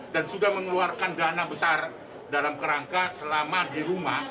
dan sudah mengeluarkan dana besar dalam kerangka selama di rumah